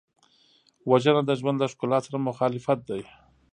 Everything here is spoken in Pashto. وژنه د ژوند له ښکلا سره مخالفت دی